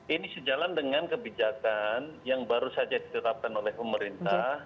ini sejalan dengan kebijakan yang baru saja ditetapkan oleh pemerintah